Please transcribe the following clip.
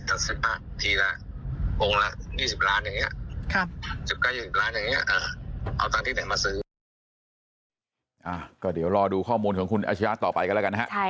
จุดใกล้๒๐ล้านบาทอย่างนี้เอาตังค์ที่แหน่งมาซื้อ